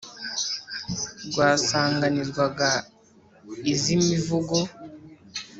rwasanganizwaga izi mivugo,